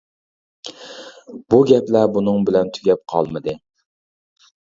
بۇ گەپلەر بۇنىڭ بىلەن تۈگەپ قالمىدى.